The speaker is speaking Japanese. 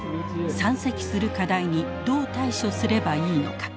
山積する課題にどう対処すればいいのか。